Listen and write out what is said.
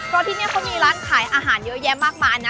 เพราะที่นี่เขามีร้านขายอาหารเยอะแยะมากมายนะ